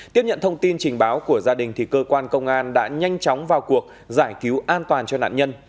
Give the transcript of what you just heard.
tiếp nhận thông tin trình báo của gia đình thì cơ quan công an đã nhanh chóng vào cuộc giải cứu an toàn cho nạn nhân